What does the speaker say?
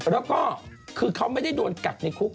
แล้วก็คือเขาไม่ได้โดนกัดในคุก